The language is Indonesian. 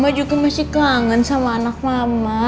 mbak juga masih kangen sama anak mama